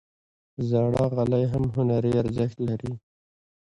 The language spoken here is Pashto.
زاړه غالۍ هم هنري ارزښت لري.